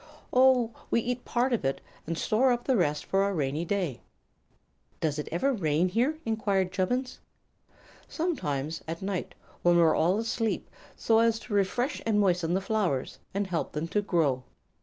"Oh, we eat part of it, and store up the rest for a rainy day." "Does it ever rain here?" enquired Chubbins. "Sometimes, at night, when we are all asleep, so as to refresh and moisten the flowers, and help them to grow."